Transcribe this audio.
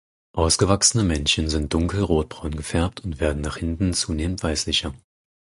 Ausgewachsene Männchen sind dunkel rotbraun gefärbt und werden nach hinten zunehmend weißlicher.